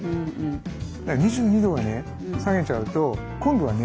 ２２度まで下げちゃうと今度はね